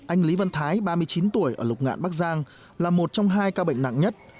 anh lý văn thái ba mươi chín tuổi ở lục ngạn bắc giang là một trong hai ca bệnh nặng nhất